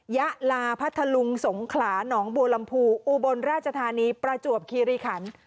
ยะลาพัทธลุงสงขลาหนองบัวลำพูอุบลราชธานีประจวบคีรีขัน